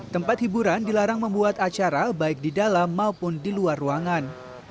tempat hiburan dilarang membuat acara baik di dalam maupun di luar ruangan